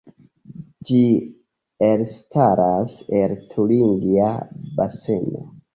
Ĝi elstaras el Turingia Baseno.